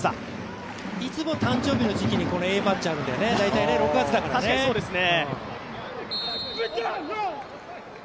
いつも誕生日の時期にＡマッチあるんだよね、６月だからね。